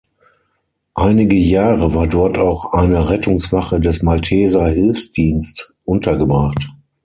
Einige Jahre war dort auch eine Rettungswache des Malteser Hilfsdienst untergebracht.